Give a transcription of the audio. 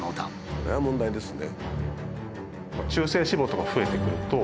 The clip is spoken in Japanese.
これは問題ですね。